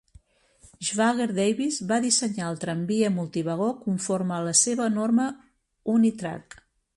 Schwager-Davis va dissenyar el tramvia multivagó conforme a la seva norma UniTrak.